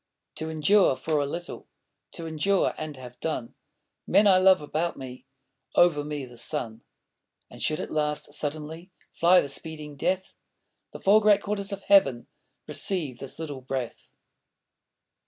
To endure for a little, To endure and have done: Men I love about me, Over me the sun! And should at last suddenly Fly the speeding death, The four great quarters of heaven Receive this little breath.